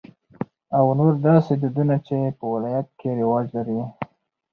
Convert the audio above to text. او نور داسې دودنه چې په د ولايت کې رواج لري.